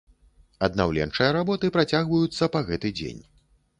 Аднаўленчыя работы працягваюцца па гэты дзень.